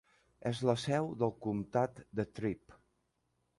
És la seu del comtat de Tripp.